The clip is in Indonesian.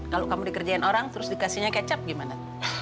kalau kamu dikerjain orang terus dikasihnya kecap gimana